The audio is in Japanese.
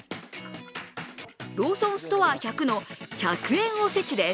ローソンストア１００の１００円おせちです。